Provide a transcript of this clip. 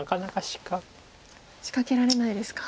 仕掛けられないですか。